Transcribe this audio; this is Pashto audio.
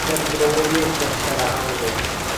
ته به ولي پر سره اور بریانېدلای -